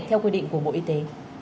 theo quy định của bộ y tế